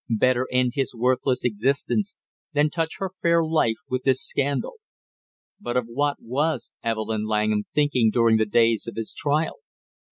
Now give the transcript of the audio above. Better end his worthless existence than touch her fair life with this scandal. But of what was Evelyn Langham thinking during the days of his trial?